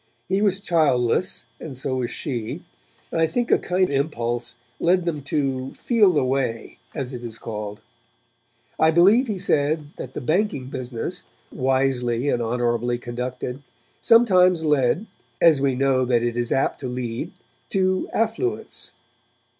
He was childless and so was she, and I think a kind impulse led them to 'feel the way', as it is called. I believe he said that the banking business, wisely and honourably conducted, sometimes led, as we know that it is apt to lead, to affluence.